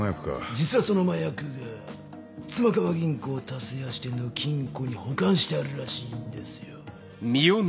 実はその麻薬が妻川銀行田勢谷支店の金庫に保管してあるらしいんですよ。